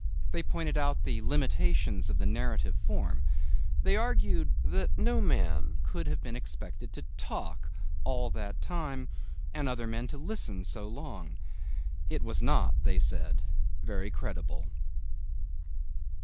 They pointed out the limitations of the narrative form. They argued that no man could have been expected to talk all that time, and other men to listen so long. It was not, they said, very credible.